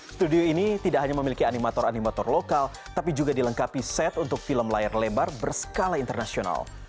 studio ini tidak hanya memiliki animator animator lokal tapi juga dilengkapi set untuk film layar lebar berskala internasional